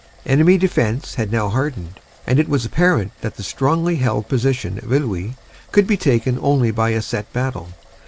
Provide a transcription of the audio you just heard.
Enemy defense had now hardened, and it was apparent that the strongly held position of Iwuy could be taken only by a set battle.